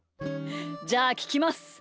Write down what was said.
じゃあききます。